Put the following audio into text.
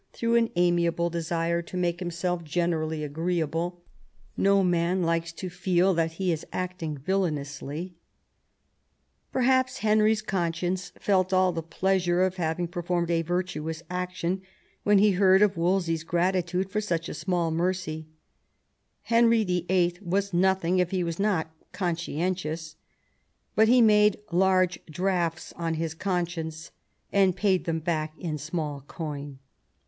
through an amiable desire to make himself generally agreeabla No man likes to feel that he is acting vil lainously ; perhaps Henry's conscience felt all the pleasure of having performed a virtuous action when he heard of Wolsey's gratitude for such a small mercy. Henry Vlll. was nothing if he was not conscientious ; but he made large drafts on his conscience, and paid them back in small coin.